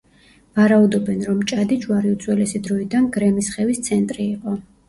ვარაუდობენ, რომ მჭადიჯვარი უძველესი დროიდან გრემისხევის ცენტრი იყო.